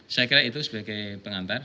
saya kira itu sebagai pengantar